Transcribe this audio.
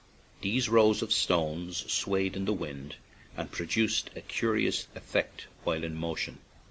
These rows of stones swayed in the wind and produced a curious effect while in motion.